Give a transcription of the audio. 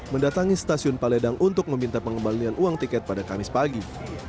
mendatangi stasiun paledang untuk meminta pengembalian uang tiket pada kamis pagi